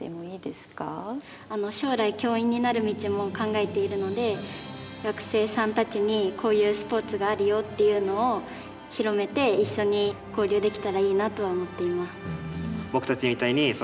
将来教員になる道も考えているので学生さんたちにこういうスポーツがあるよっていうのを広めて一緒に交流できたらいいなとは思っています。